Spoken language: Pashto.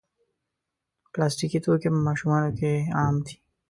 پلاستيکي توکي په ماشومانو کې عام دي.